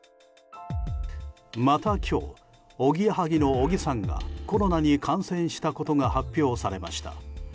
また、今日おぎやはぎの小木さんがコロナに感染したことが発表されました。